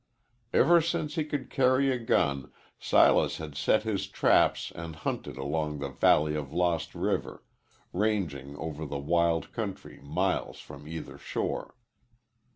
Ever since he could carry a gun Silas had set his traps and hunted along the valley of Lost River, ranging over the wild country miles from either shore.